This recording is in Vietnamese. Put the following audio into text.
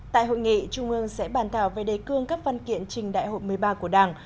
tại hội nghị trung ương sẽ bàn thảo về đề cương các văn kiện trình đại hội một mươi ba của đảng